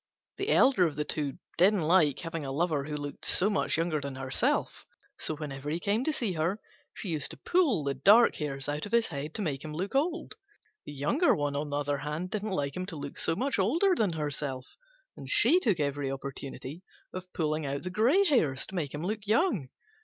The elder of the two didn't like having a lover who looked so much younger than herself; so, whenever he came to see her, she used to pull the dark hairs out of his head to make him look old. The younger, on the other hand, didn't like him to look so much older than herself, and took every opportunity of pulling out the grey hairs, to make him look young.